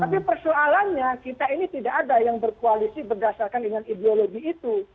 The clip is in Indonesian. tapi persoalannya kita ini tidak ada yang berkoalisi berdasarkan dengan ideologi itu